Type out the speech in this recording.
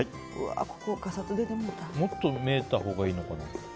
もっと見えたほうがいいのかな。